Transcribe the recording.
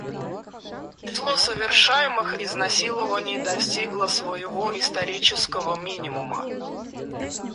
Число совершаемых изнасилований достигло своего исторического минимума.